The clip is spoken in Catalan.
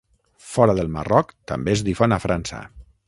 Fora del Marroc també es difon a França.